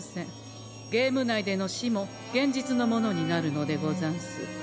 ゲーム内での死も現実のものになるのでござんす。